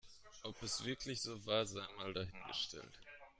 Ob es wirklich so war, sei mal dahingestellt.